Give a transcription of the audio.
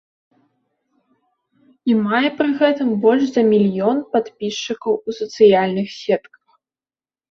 І мае пры гэтым больш за мільён падпісчыкаў у сацыяльных сетках.